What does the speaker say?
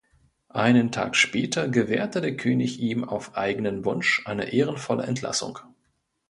Einen Tag später gewährte der König ihm auf eigenen Wunsch eine ehrenvolle Entlassung.